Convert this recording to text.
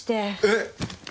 えっ？